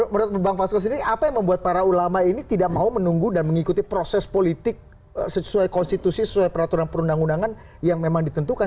menurut bang fasko sendiri apa yang membuat para ulama ini tidak mau menunggu dan mengikuti proses politik sesuai konstitusi sesuai peraturan perundang undangan yang memang ditentukan